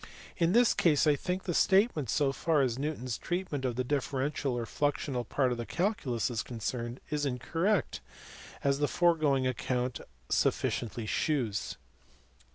In this case I think the statement, so far as Newton s treatment of the differential or fluxional part of the calculus is concerned, is incorrect, as the foregoing account sufficiently shews.